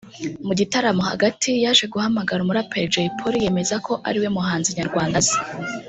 Mu gitaramo hagati yaje guhamagara umuraperi Jay Polly yemeza ko ariwe muhanzi nyarwanda azi